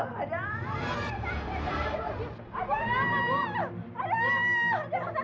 pakai pakai perasaan perasaan segala